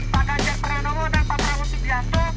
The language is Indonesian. pak ganjar prawo dan pak prawo subianto